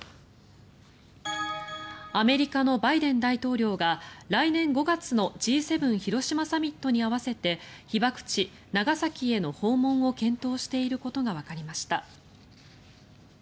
アメリカのバイデン大統領が来年５月のＧ７広島サミットに合わせて被爆地・長崎への訪問を検討していることがわかりました。